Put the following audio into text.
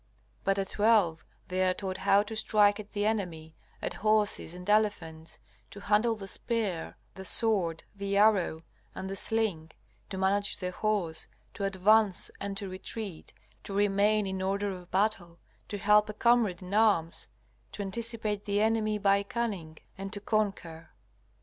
But at twelve they are taught how to strike at the enemy, at horses and elephants, to handle the spear, the sword, the arrow, and the sling; to manage the horse, to advance and to retreat, to remain in order of battle, to help a comrade in arms, to anticipate the enemy by cunning, and to conquer.